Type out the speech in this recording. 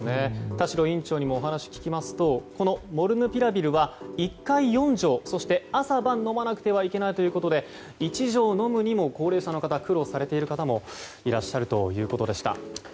田代院長にもお話を聞きますとこのモルヌピラビルは１回４錠そして朝晩飲まなくてはいけないということで１錠飲むにも高齢者の方は苦労されている方もいらっしゃるということでした。